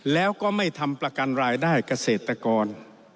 แล้วก็ไม่ทำประกันรายได้เกษตรกร